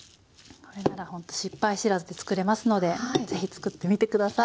これならほんと失敗知らずでつくれますので是非つくってみて下さい！